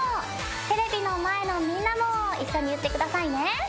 テレビの前のみんなも一緒に言ってくださいね。